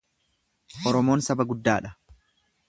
Oromoon saba guddaa dha.